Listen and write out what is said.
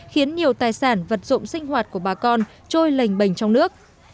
khiến nhiều tài sản vật dụng sinh hoạt của bà con trôi lềnh bềnh trong nước